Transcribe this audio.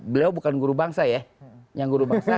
beliau bukan guru bangsa ya yang guru bangsa